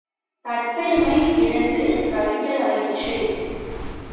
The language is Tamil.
தற்பெருமை இழந்து தவிக்கலாயிற்று.